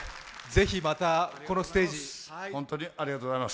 ぜひまた、このステージに。